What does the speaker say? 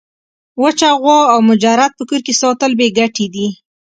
وچه غوا او مجرد په کور کي ساتل بې ګټي دي.